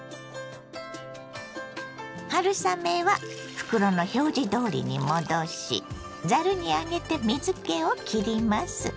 春雨は袋の表示どおりに戻しざるに上げて水けをきります。